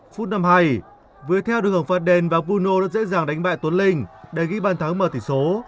phút năm hai việt theo được hưởng phạt đền và bruno đã dễ dàng đánh bại tuấn linh để ghi bàn thắng mở tỷ số